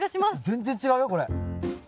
全然違うよこれ。